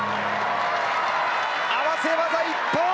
合わせ技、一本！